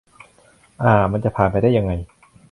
อ่า มันจะผ่านไปได้ยังไง